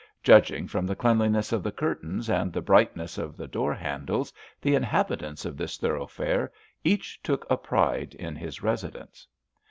Judging from the cleanliness of the curtains and the brightness of the door handles, the inhabitants of this thoroughfare each took a pride in his residence.